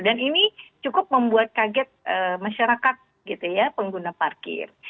dan ini cukup membuat kaget masyarakat gitu ya pengguna parkir